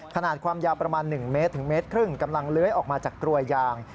ขนาดความยาวประมาณ๑เมตรถึงเมตรครึ่งกำลังเลื้อยออกมาจากกลวยยาง